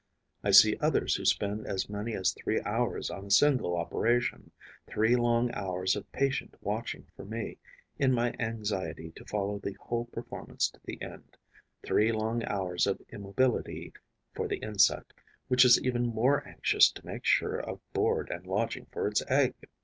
I see others who spend as many as three hours on a single operation, three long hours of patient watching for me, in my anxiety to follow the whole performance to the end, three long hours of immobility for the insect, which is even more anxious to make sure of board and lodging for its egg.